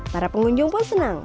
para pengunjung pun senang